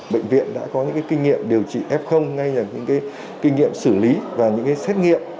bệnh viện đã có những kinh nghiệm điều trị f ngay là những kinh nghiệm xử lý và những xét nghiệm